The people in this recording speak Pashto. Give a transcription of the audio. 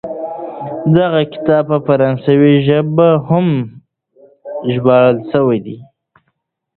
دغه کتاب په فرانسوي ژبه هم ژباړل سوی دی.